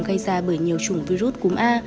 gây ra bởi nhiều chủng virus cúm a